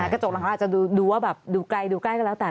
กระจกหลังเขาอาจจะดูว่าแบบดูไกลดูใกล้ก็แล้วแต่